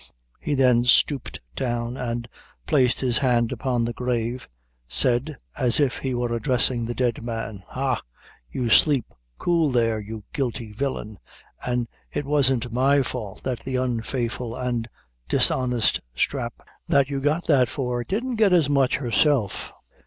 He then stooped down, and placed his hand upon the grave said, as if he were addressing the dead man: "Ha! you sleep cool there, you guilty Villain! an' it wasn't my fault that the unfaithful an' dishonest sthrap that you got that for, didn't get as much herself.